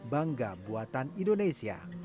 bagaimana beton selat untuk menggoda pasar air